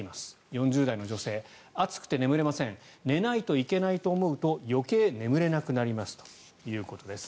４０代の女性暑くて眠れません寝ないといけないと思うと余計眠れなくなりますということです。